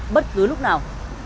bất cứ gì